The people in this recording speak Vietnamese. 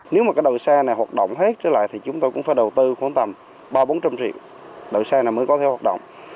nếu mà cái đội xe này hoạt động hết trở lại thì chúng tôi cũng phải đầu tư khoảng tầm ba trăm linh bốn trăm linh triệu đội xe này mới có thể hoạt động